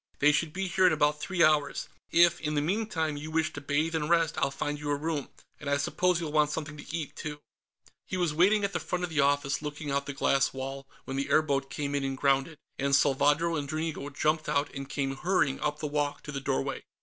They should be here in about three hours. If, in the meantime, you wish to bathe and rest, I'll find you a room. And I suppose you'll want something to eat, too...." He was waiting at the front of the office, looking out the glass wall, when the airboat came in and grounded, and Salvadro and Dranigo jumped out and came hurrying up the walk to the doorway.